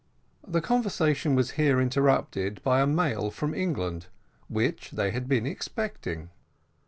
The conversation was here interrupted by a mail from England which they had been expecting.